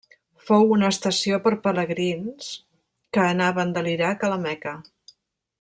Fou una estació per pelegrins que anaven de l'Iraq a la Meca.